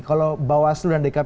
kalau bawaslu dan dkp